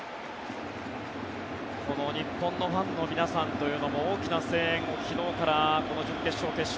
この日本のファンの皆さんというのも大きな声援を昨日からこの準決勝、決勝